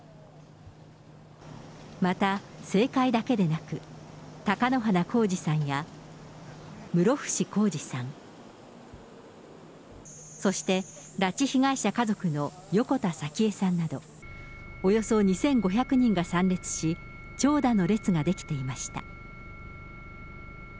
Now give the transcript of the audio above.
また政界だけでなく、貴乃花光司さんや、室伏広治さん、そして拉致被害者家族の横田早紀江さんなど、およそ２５００人が参列し、長蛇の列が出来ていました。